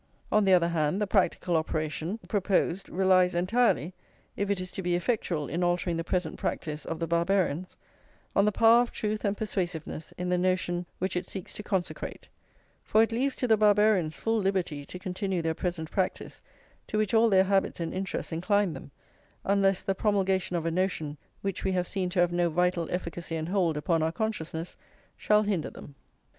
On the other hand, the practical operation proposed relies entirely, if it is to be effectual in altering the present practice of the Barbarians, on the power of truth and persuasiveness in the notion which it seeks to consecrate; for it leaves to the Barbarians full liberty to continue their present practice, to which all their habits and interests incline them, unless the promulgation of a notion, which we have seen to have no vital efficacy and hold upon our consciousness, shall hinder them.